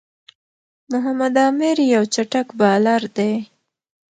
محمد عامِر یو چټک بالر دئ.